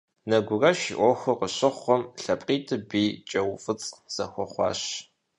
Нэгурэш и Ӏуэхур къыщыхъум, лъэпкъитӀыр бий кӀэуфӀыцӀ зэхуэхъуащ.